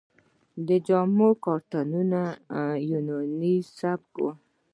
د جامو کاتونه یوناني سبک و